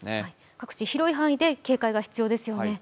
各地広い範囲で警戒が必要ですよね。